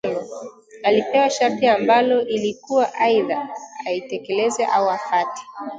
alipewa sharti ambalo ilikuwa aidha alitekeleze au afate